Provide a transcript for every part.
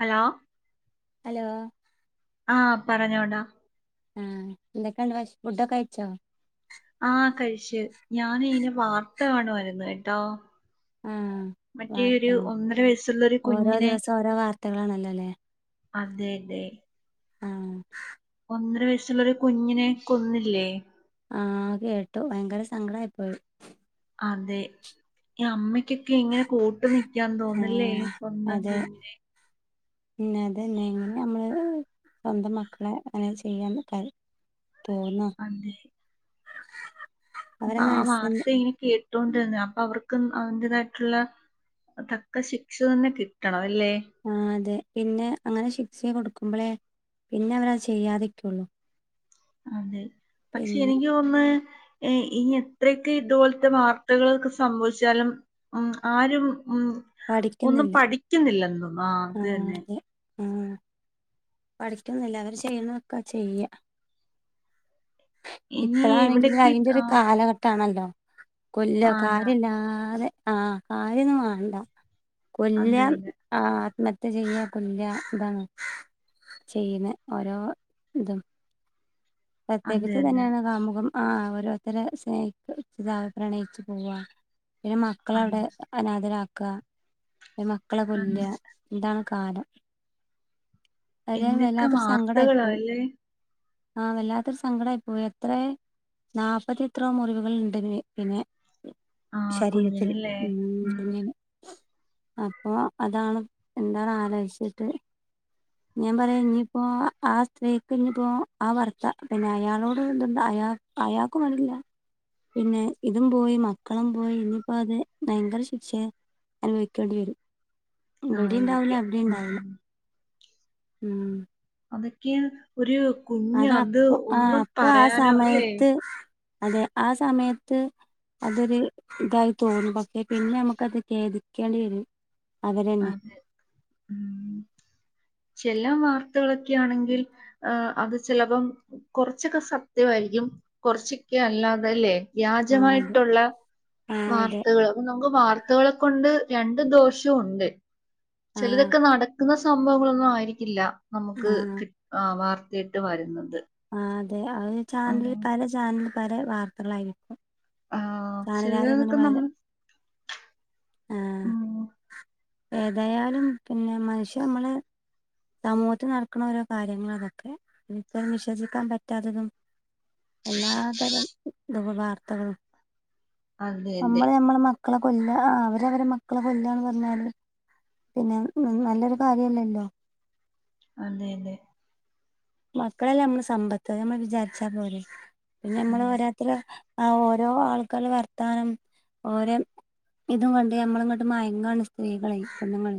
Hello hello ആ പറഞ്ഞോടാ ആഹ് എന്തൊക്കെയണ്ട് ഫുഡൊക്കെ അയച്ചോ ആഹ കഴിച്ചേ ഞാന ഇനെ വാർത്ത കാണവായിരുന്നു കേട്ടോ ആഹ് മറ്റേ ഒരു വാർത്ത ഒന്നര വയസ്സുള്ള ഒരു കുഞ്ഞിനെ കുത്തകളാണല്ലോ അല്ലേ അതെതെ ഉം ഒന്നര വയസ്സുള്ളൊരു കുഞ്ഞിനെ കൊന്നില്ലേ ആ കേട്ടു ഭയങ്കര സങ്കട ആപ്പോ അതെ അമ്മയ്ക്കൊക്കെ എങ്ങനെ കട്ട് ന ഞാൻ തോന്നില്ലേ ആഹ് സ്വന്തം കുഞ്ഞിനെ പിന്ന അതന്നെ ഇങ്ങനെ നമ്മള് സ്വന്തം മക്കളെ അങ്ങനെ ചെയ്യാൻ കാര് അത അപ്പ അവരെ ആ മനസ്സിന് വാർത്ത ഇങ്ങനെ കേട്ടോൊണ്ടന്ന അപ്പൊ അവർക്ക് അവന്റേതായിട്ടുള്ള തക്ക ശിക്ഷ തന്നെ കിട്ടണം അല്ലേ ആ അതെ പിന്നെ അങ്ങനെ കൊടുക്കുമ്പോളേ പിന്നെ അവരത് ചെയ്യാതിരിക്കുള്ളു അതെ പക്ഷെ എനിക്ക് ഒന്ന് ഇനി എത്രയൊക്കെ ഇതുപോലത്തെ വാർത്തകളൊക്കെ സംഭവിച്ചാലും ഉം ആരും ഉം ഒന്നും പഠിക്കുന്നില്ല പഠിക്കുന്നില്ലന്തോന്നാ അത്ന്നെ ആ പഠിക്കുന്നില്ല അവര് ചെയ്യണ നക്ക ചെയ്യ ഇനി ഇപ്പഴാണെങ്കില് ഇവിടേക്ക് അതിന്റെ ആ ഒരു കാലഘട്ടമാണല്ലോ കൊല്ല ആണ് കാര്യല്ലാതെ ആ കാര്യൊന്നും വേണ്ട അത് കൊലൻ തന്നെ ആ മത്തെ ചെയ്യാപ്പല്ല ഇതാണ് ചെയ്യുന്ന ഓരോ ഇതും അത് പ്രത്യേകി തന്നെ തന്നെയാണ് കാമുഖം ആ ഓരോരുത്തര സ്നേഹിതാവ് പ്രണയിച്ചു പോവവാ ഒരു മക്കളെ അവിടെ അത് അനാഥരാാക്കുക ഒരു മക്കളെ അത് കൊല്ല എന്താണ് കാലം അത എന്തൊക്കെ വല്ലാത്തൊരു സങ്കട ആയിപ്പോയി വാർത്തകളല്ലേ ആ വല്ലാത്തൊരു സങ്കടംമായി പോ എത്ര നാല്പ്പത്തി എത്രോ മുറിവുകൾുണ്ട് പിന്നെ ആ ശരീരത്തില് കുഞ്ഞിനല്ലേ ഉം.... കുഞ്ഞിന് അപ്പൊ അതാണ് എന്താ ആലോചിച്ചിട്ട് ഞാൻ പറയാ ഇനിപ്പോ ആ സ്ത്രീക്ക് ഇനി പോ ആ വർത്ത പിന്നെ അയാളോട് എന്ണ്ട് അയാ അയാക്കും മതില്ല പിന്നെ ഇതും പോയി മക്കളും പോയി ഇനിപ്പോ അത് ഭയങ്കര ശിക്ഷ അനുഭവിക്കേണ്ടി വരും ഇവിടെ ഉണ്ടാവില്ല ആയിരിക്കും എവിടെ ഉണ്ടാവില്ല ഉം ഉം അതൊക്കെ ഒരു കുഞ്ഞ് അത അത് അപ്പൊ ആ ഒന്നും അപ്പൊ ആ പറയാനോ അല്ലേ സമയത്ത് അതെ ആ സമയത്ത് അതൊരു ഇതായി തോന്നും പക്ഷേ പിന്നെ നമുക്ക് അത് ഖേദിക്കേണ്ടി വരും അവരന്നെ അതെ ചല്ലാം വാർത്തകളൊക്കൊണെങ്കിൽ അത് ചിലപ്പോം കുറച്ചൊക്കെ സത്യമായിരിക്കും കൊറച്ചിക്ക അല്ലാതല്ലേ ആ അതെ വ്യാജമായിട്ടുള്ള ആ അതെ വാർത്തകൾ അപ്പൊ നമുക്ക് വാർത്തകളെ കൊണ്ട് രണ്ടു ദോഷവും ഉണ്ട് ആ ചിലതൊക്കെ നടക്കുന്ന സംഭവങ്ങളൊന്നും ആയിരിക്കില്ല നമുക്ക് ആഹ് ക വാർത്തയിട്ട് വരുന്നത് ആഹ് അതെ ചാനലിൽ ഉം പല ചാനല പല വാർത്തകളായിരിക്കും ആഹ് സാണകാര അങ്ങനെ ചിലതൊക്കെ വ നമ്മൾ ആ ഉം ഏതായാലും പിന്നെ മനുഷ്യ നമ്മള് സമൂഹത്തിൽ നടക്കുന്ന ഓരോ കാര്യങ്ങൾ അതൊക്കെ എനിക്ക് വിശ്വസിക്കാൻ പറ്റാത്തതും എല്ലാ തരം ഇ വാർത്തകളും അതെ അതെ നമ്മള് നമ്മള മക്ക മക്കളെ കൊല്ല ആ അവര് അവരെ മക്കളെ കൊല്ലന്ന് പറഞ്ഞല് പിന്നെ ഉ നല്ലൊരു കാര്യല്ലല്ലോ? അതെ അതെ മക്കളല്ലേ നമ്മള് സമ്പത്ത് നമ്മൾ വിചാരിച്ചാ പോലെ പിന്നെ നമ്മള് അതെ ഓരോരുത്തരെ ആ ഓരോ ആൾക്കരെ വർത്താനം ഓരോ ഇതും കണ്ട് ഞമ്മള ഇങ്ങോട്ട് മയങ്ങാണ് സ്ത്രീകളെ പോണ്ണൂങ്ങൾ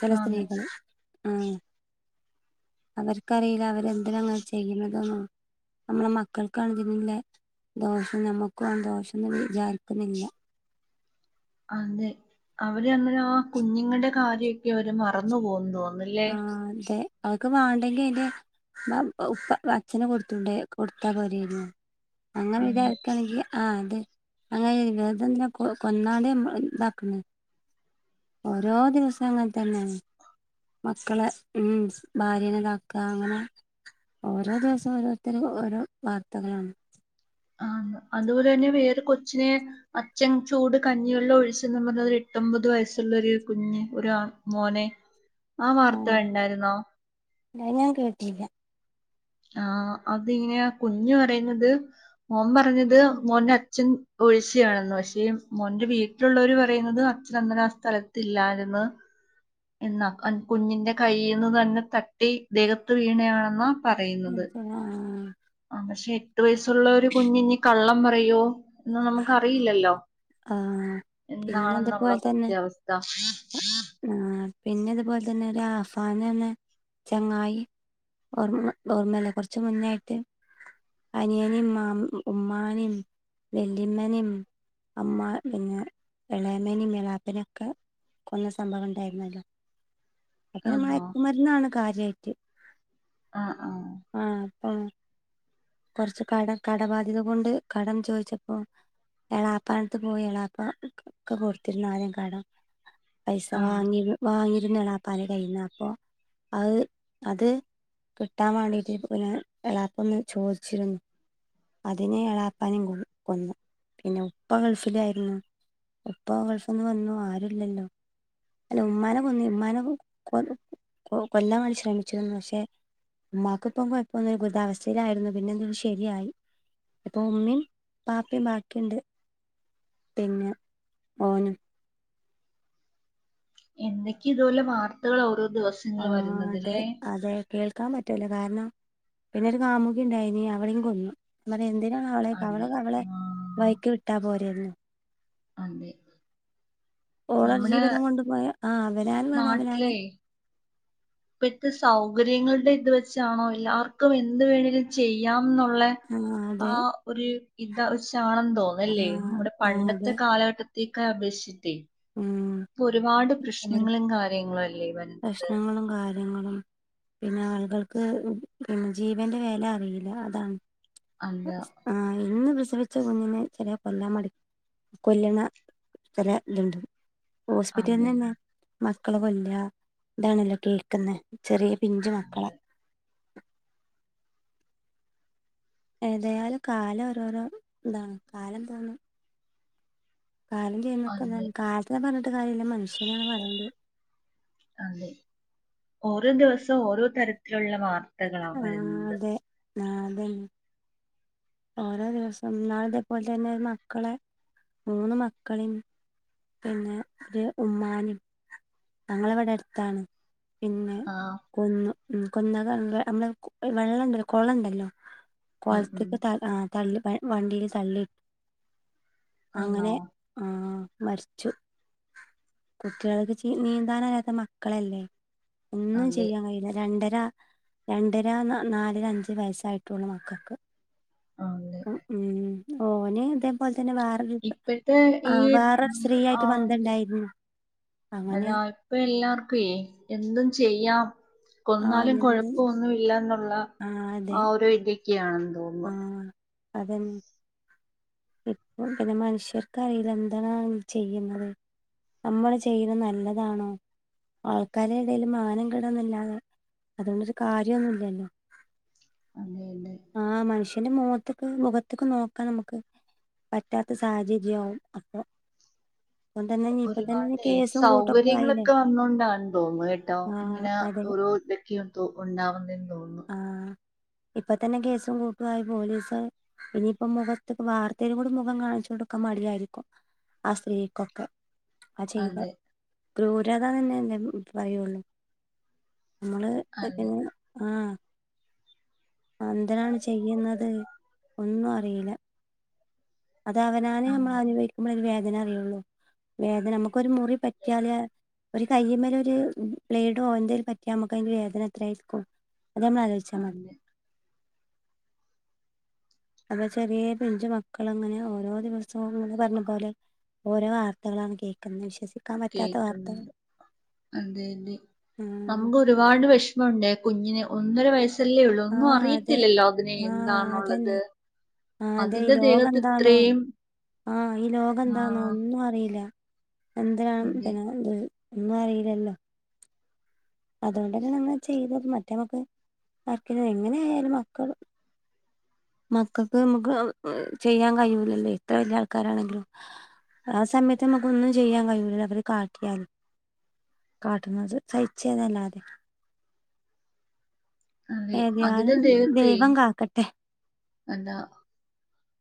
ചില ആണ് സ്ത്രീകൾ ഉ അവർക്കറിയില്ല അവരെന്തിന അങ്ങനെ ചെയ്യുന്നതന്നു നമ്മള മക്കൾക്കണ്ന്നില്ല ദോഷം നമ്മുക്കും ആ ദോഷംന്ന് വിചാരിക്കുന്നില്ല. അതെ അവര്മില് ആ കുഞ്ഞുങ്ങളുടെ കാര്യൊക്കെ അവര് മറന്നു പോകുന്നു. തോന്നുന്നല്ലേ ആ അതെ അവൊക്ക് വേണ്ടെങ്കി അതിന്റെ ഉപ്പ അച്ച്ചഛന കൊടുത്തണ്ട കൊടുത്താൽ പോരായിരുന്നു. അങ്ങനെ അതെ ഇതക്കയാണെങ്കിൽ ആ അങ്ങനെ വേതം കൊ കൊന്നാതെ ഇതാക്ക്ണ്. ഓരോ ദിവസ അങ്ങനെ തന്നെയാണ്. മക്കളെ ഉം ഭാര്യനെതാക്ക അങ്ങനെ ഓരോ ദിവസം ഓരോരുത്തരും ഓരോ വാർത്തകളാണ്. ആന്ന് അതുപോലെ തന്നെ വേറെ കൊച്ചിനെ. അച്ചൻ ചൂട് കഞ്ഞിയെള്ള ഒഴിച്ചന്ന്. പറഞ്ഞ് എട്ടൊമ്പത് വയസ് ള്ളരു കുഞ്ഞഞ് ഒരു മോനെ ആ ആഹ് വാർത്ത ഉണ്ടായിരുന്നോ? അത് ഞാൻ കേട്ടില ആഹ അതിങ്ങനെയാ കുഞ്ഞ് പറയുന്നത് മോൻ പറഞ്ഞത് മോന്റെ അച്ഛൻ പൊള്ളിച്ചതാനാന്നു പക്ഷേ മോൻ വീട്ടിലുള്ളവര് പറയുന്നത് അച്ഛൻ അങ്ങനെ ആ സ്ഥലത്തില്ലയിന് എന്നാ കുഞ്ഞിന്റെ കയ്യിൽ നിന്ന് തന്നെ തട്ടി ദേഹത്ത് വീണയാണെന്നാ? പറയുന്നത് ആ ആ ആ പക്ഷെ എട്ടു വയസ്സുള്ള ഒരു കുഞ്ഞിനി കള്ളം പറയോ? എന്നന്ന് നമുക്ക്റിയില്ലല്ലോ? ആഹ് പിന്നെ എന്താണെന്നമ്മള സത്യാവസ്ഥ ആ പിന്നെ അതുപോലെ തന്നെ ഒരു ആഫാനന്ന ചങ്ങായി ഓർമ്മ ഓർമ്മല്ല കുറച്ച് മുന്നായിട്ട്. അനിയനും മാ ഉമ്മാനും വെല്ലിമ്മനും അമ്മ പിന്നെ ഇളയമേനി മേളാപ്പനൊക്കെ ന്ന സംഭവം ഉണ്ടായിരുന്നല്ലോ? അന്നെ ആണോ മയക്കുമരുന്നാണ് കാര്യമായിട്ട്. ആഹ ആഹ അ കൊറച്ച് കട കടബാധ്യത കൊണ്ട് കടം ചോദിച്ചപ്പോ? എളാപ്പനത്ത് പോയി എളാപ്പ ഒക്കെ കൊടുത്തിന്നു ആദ്യം കാടം പൈസ ആഹ് വാങ്ങി വാങ്ങിരുന്നളാപ്പാല [unintelligible] അപ്പോ അത് അത് കിട്ടാൻ വേണ്ടിട്ട് പിന്നെ എളപ ഒന്ന് ചോദിച്ചിരുന്നു. അതിനെ ഇളാപ്പാനും കൊ കൊന്നു പിന്നെ ഉപ്പ ഗൾഫിലായിരുന്നു. ഇപ്പ ഗൾഫ് ഒന്നന്ന് വന്നു ആരുല്ലല്ലോ? അല്ല ഉമ്മാനെ കൊന്നി ഉമ്മാനെ കൊ കൊ കൊല്ലാൻ വേണ്ടി ശ്രമിച്ചിരുന്നു പക്ഷെ ഉമ്മാക്ക് ഇപ്പൊ കുഴപ്പമൊന്നുമില്ല ദുരിതാവസ്ഥ ലയിരുന്നു പിന്നെ എന്ത ശരിയായി ഇപ്പൊ ഉമ്മയും പാപ്പയും ബാക്കിയുണ്ട് പിന്നെ ഓനും എന്തൊക്കെയ ഇതുപോലെ വാർത്തകൾ ഓരോ ആ ദിവസങ്ങളും അതെ വരുന്നതല്ലേ? അതെ കേൾക്കാൻ പറ്റുവല്ലോ കാരണം പിന്നെ ഒരു കാമുുകി ഉണ്ടായിനി അവളിം കൊന്നു. അ എന്തിനാണ് അവളെ അവള് അതെ അവളെ ആഹ് വയ്ക്ക് വിട്ടാ പോരരുന്നോ? അതെ ഓള നമ്മുടെ ജീവിതം കൊണ്ടു പോയ ആ അവനാനാ വേണം അവനാന്. ഇപ്പത്തെ സൗകര്യങ്ങളുടെ ഇത് വെച്ചാണോ എല്ലാവർക്കും എന്ത് വേണമേിലും ചെയ്യാം. നുള്ള ആ ആ അതെ ഒരു ഇതാ ചാണ് ആ തോന്നല്ലേ നമ്മുടെ ആ പണ്ടത്തെ അതെ കാലഘട്ടത്തേക്കെ അപേക്ഷി ഉം ഇപ്പൊ ഒരുപാട് ഓരോ പ്രശ്നങ്ങളും കാര്യങ്ങളും അല്ലേ വരുന്നത് പ്രശ്നങ്ങളും കാര്യ യ പിന്നെ ആളുകൾക്ക് ആ ജീവന്റെ വെല അറിയില്ല അതാണ് അല്ല ആഹ് ഇന്ന് പിച്ചവെച്ച കുഞ്ഞിനെ ചില കൊല്ലാമടി കൊല്ലുന്ന ചില ഇതുണ്ട് ഹോസ്പിറ്റലിൽ അതെ നിന്ന് മക്കളെ കൊല്ലുഅ ഇതാണല്ലോ കേക്കുന്ന ചെറിയ പിഞ്ചു മക്കളെ അതെ ഏതായാലും കാലം ഓരോരോ ഇതാണ് കാലം എന്തുന്ന് കാലം ചെയ്യുന്നൊക്കെ അതെ ത് കാലത്തിനെ പറഞ്ഞിട്ട് കാര്യല്ല മനുഷ്യനെയാണ് പറയണ്ടത് അതെ ഓരോ ദിവസം ഓരോ തരത്തിലുള്ള വാർ വാർത്തകളാ വരുന്ത്‌ നാ ദെൻ ഓരോ ദിവസം ഇന്നാളെത്തെപോലെ തന്നെ മക്കളെ മൂന്ന് മക്കളെയും പിന്നെ ഒരു ഉമ്മാനും നങ്ങളവിടെ അടുത്താണ് പിന്നെ ആഹ് കൊന്ന് മ് കൊന്നതാന്റ്‌റെ അമ്മളെ കു വെള്ളംണ്ടല്ലോ കൊളം ണ്ടല്ലോ ഉം ഉം കൊളത്തേക്ക് ത ആ തള്ളി വെ വണ്ടിയില് തള്ളി ആണോ അങ്ങനെ ആ മരിച്ചു കുട്ടികൾക്ക് ച്ചി നീന്താനറിയാത്ത മക്കളല്ലേ ഒന്നും അതെ ചെയ്യാൻ കഴിയില്ല രണ്ടര ര രണ്ടര ന നാലര അഞ്ച വയസ്സായിട്ടുള്ള മക്കക്ക് അതെ ഉം ഓനെ ഇത തന്നെ വേറെരു ഇപ്പഴത്തെ ആ ഈ വേറെര് സ്ത്രീ ആയിട്ട് ബന്ധമുണ്ടായിരുന്നു അതാ ഇപ്പ എല്ലാർക്കേ എന്തും ചെയ്യാം ആ കൊന്നാലും എന്ത് കൊഴപ്പൊന്നുല്ല എന്നുള്ള ആ ഒരു ഇതൊക്കെയാണ് ആഹ അതെ മ് പ്പ് പിന്നെ മനുഷ്യർക്ക് അറിയില്ല എന്താണ് ചെയ്യുന്നത് നമ്മള് ചെയ്യുന്നത് നല്ലതാണോ ആൾക്കാരെ ഇടയില് മാനം കെടന്നല്ലാതെ അതുകൊണ്ടര് കാര്യമൊന്നുമില്ലല്ലോ അതെ അതെ ആഹ് മനുഷ്യന്റെ മുഖത്തൊക്കെ മുഖത്തൊക്കെ നോക്കാം നമുക്ക് പറ്റാത്ത സാഹചര്യവും അപ്പൊ ഇപ്പം തന്നെ ഇപ്പൊ തന്നെ ഒരുപാടെ കേസും കൂട്ടൊക്കെ ആയില്ലേ സൗകര്യങ്ങളൊക്കെ വന്നൊണ്ടാന്ന് തോന്ന് കേട്ടോ ആഹ് ഇങ്ങനെ അതെ ഓരോ [unintelligible] ഉണ്ടാവുന്നെന്ന് തോന്നു ഇപ്പ തന്നെ കേസും കൂട്ടുമായി പോലീസ് പിന്നെയിപ്പം മുഖത്ത് വാർത്തയിലും കൂടി മുഖം കാണിച്ചു കൊടുക്കം മടിയായിരിക്കും ആ സ്ത്രീക്കൊക്കെ ആ ചെയ്ത അതെ ക്രൂരത തന്നെ എന്ത പറയുള്ളൂ നമ്മള് അതെ പിന്നെ ആ എന്തിനാണ് ചെയ്യുന്നത് ഒന്നും അറിയില്ല അത് അവനവനെ അമ്മള് അതെ അനുഭവിക്കുമ്പോഴ വേദന അറിയുള്ളൂ വേദന നമുക്കൊരു മുറി പറ്റിയാല് ഒരു കയ്യേമേൽ ഒരു ബ്ലേഡോ എന്തേൽ പറ്റിയാ അമ്മക്ക് അതിന്റെ വേദന എത്രയ ആയിരിക്കും അത് നമ്മള് ആലോചിച്ചാ മതി അതെ അന്നെ ചെറിയ പിഞ്ചു മക്കളങ്ങനെ ഓരോ ദിവസവുംന്ന് പറഞ്ഞ പോലെ ഓരോ വാർത്തകളാണ് കേക്കന്ന് വിശ്വസിക്കുന്ന കേക്കണുണ്ട് അതെ ത് ആഹ് അമുക്ക് ഒരുപാട് വിഷ മുണ്ടെ കുഞ്ഞിനെ ഒന്നര വയസ്സല്ലേ ഉള്ളു ന്നും ആഹ് അതെ അറിയിത്തില്ലല്ലോ ഇതിനെ എന്താണുള്ളത് ആ അതെ ഈ അതിന്റെ ലോകം ദേഹത്ത് എന്താന്നൊ ഇത്രയും ആഹ ഈ ലോകം ആ, എന്താന്നൊ ഒന്നും അറിയില്ല എന്തിനാണ് അതെ പിന്നെ ഇ ഒന്നു അറിയില്ലല്ലോ അതുകൊണ്ട് തന്നെ നങ്ങ ചെയ്ത മറ്റേ മോക്ക് ആക്കെ എങ്ങനെ യാലും മക്കള് മക്കൾക്ക് നമുക്ക് ചെയ്യാൻ കഴിയൂല്ലല്ലേ ഇത്ര വലിയ ആൾക്കാരാണെങ്കിലും ആ സമയത്ത് നമക്ക് ഒന്നും ചെയ്യാൻ കഴിയൂല അവര് കാട്ടിയാല് കാട്ടുന്നത് സഹിചെനെല്ലാതെ അതെ അതിന്റെ ഏതാലും ദേഹത്തെ ദൈവം കാക്കട്ടെ എന്താ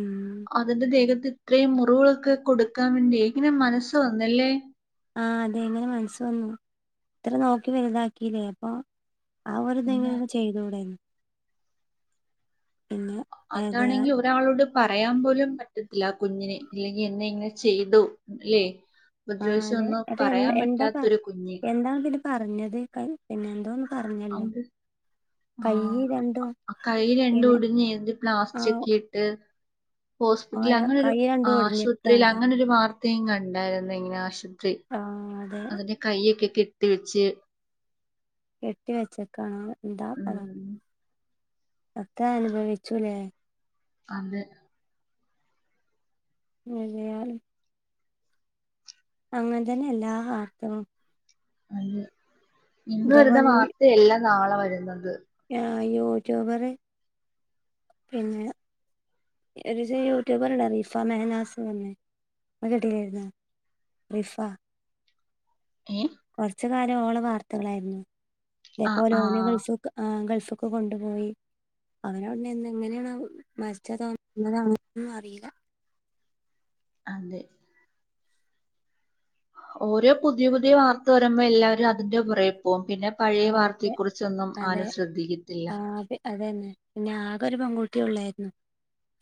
ഉം അതിന്റെ ദേഹത്ത് ഇത്രയും മുറിവുകളൊക്കെ കൊടുക്കാൻ വേണ്ടി ഇങ്ങനെ മനസ്സ് വന്നല്ലേ ആഹ അതെ എങ്ങനെ മനസ് വന്നു ഇത്ര നോക്കി വലുതാക്കില്ലേ അപ്പൊ ആ ഒരിത് എന്താ എങ്കിലും ചെയ്തുകൂടെന്ന് പിന്നെ ഏതായാൽ അതാണെങ്കി ഒരാളോട് പറയാൻ പോലും പറ്റത്തില്ല കുഞ്ഞിനെ അല്ലെങ്കിൽ എന്നെ ഇങ്ങനെ ചെയ്തു അല്ലെ ആ അതെ അതെ എ എന്താ പറ്റാത്തൊരു കുഞ്ഞ് എന്താ പി പറഞ്ഞത് പിന്നെ എന്തോ പറഞ്ഞല്ലോ അത് രണ്ടും ആ കൈ രണ്ടും പിന്നെ ഉടിഞ്ഞു എന്ത് ആ പ്ലാസ്റ്റക്കിട്ട് ഹോസ്പിറ്റല ഓര അങ്ങനൊരു കൈ രണ്ടും ആശുപത്രിയിൽ ഒടിഞ്ഞേക്കാണ് അങ്ങനെൊരു വാർത്തയും കണ്ടായിരുന്ന ഇങ്ങനെ ആശു ആ അതെ അതിന്റെ കൈഒക്കെ കെട്ടി വെച്ച് കെട്ടി വെച്ചക്കാണ് എന്താ പറ ഉം അത അനുഭവിച്ചുല്ലേ അന്ത് മന്നയാണ് അങ്ങന തന്നെ എല്ലാ ആർഥവും അത് ഇന്ന് വരുന്ന ഈ, വാർത്ത അല്ല നാളെ വരുന്നത് ആ യൂട്യൂബർ പിന്നെ ഒരു യൂട്യൂബർ ഉണ്ട് റിഫ മെഹനാസ് എന്ന് പറഞ്ഞ കേട്ടിന്ന നിഫാ ഉമ്മ് കുറച്ചു കാലം ഓള്ളു വാർത്തകളായിരുന്നു ആ ഇതേപോലെ ആ ഓ ഗൾഫ് ഗൾഫ് ക്ക് കൊണ്ടുപോയി അവനോണ്ട് എന്തെങ്ങനെയാണ് മരിച്ചാതാണോ കൊന്നതാണൊന്നും അറിയില്ല [inaudible] അതെ ഓരോ പുതിയ പുതിയ വാർത്ത വരുമ്പോ എല്ലാവരും അതിന്റെ പുറ അപ്പോ പിന്നെ പഴയ ആഹ് അതെ വാർത്തയെക്കുറിച്ചൊന്നും അതെ ആരും ശ്രദ്ധിക്കത്തില്ല ഒക്കെള്ളായിരുന്നു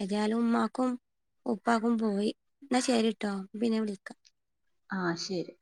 ഏതായാലും ഉമ്മാക്കും ഉപ്പാക്കും പോയി എന്നാ ശേരിട്ടോ പിന്നെ വിളിക്കാം ആഹ ശരി